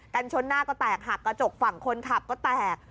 ชนหน้าก็แตกหักกระจกฝั่งคนขับก็แตก